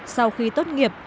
sau khi tốt nghiệp